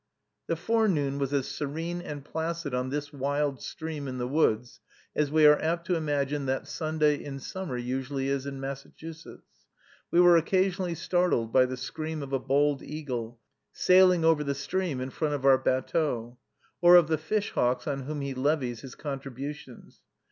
The forenoon was as serene and placid on this wild stream in the woods, as we are apt to imagine that Sunday in summer usually is in Massachusetts. We were occasionally startled by the scream of a bald eagle, sailing over the stream in front of our batteau; or of the fish hawks on whom he levies his contributions.